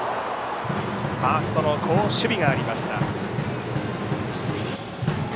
ファーストの好守備がありました。